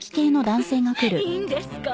いいんですか？